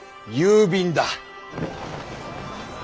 郵便だ。